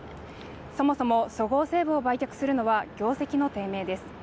そもそもそごう・西武を売却するのは業績の低迷です